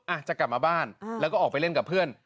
อาจจะกลับมาบ้านแล้วก็ออกไปเล่นกับเพื่อน